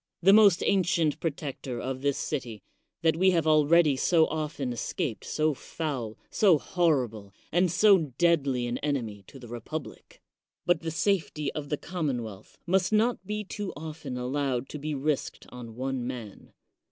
the most ancient protector of this 99 THE WORLD'S FAMOUS ORATIONS city, that we have already so often escaped so foul, so horrible, and so deadly an enemy to the republic. But the safety of the commonwealth must not be too often allowed to be risked on one man.